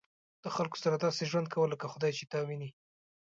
د خلکو سره داسې ژوند کوه لکه خدای چې تا ویني.